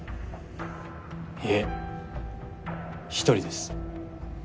いえ１人です。